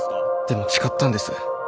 でも誓ったんです。